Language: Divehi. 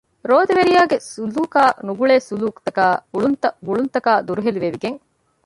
ރޯދަވެރިޔާގެ ސުލޫކާ ނުގުޅޭ ސުލޫކުތަކާއި އުޅުންތަކާއި ގުޅުންތަކާ ދުރުހެލި ވެވިގެން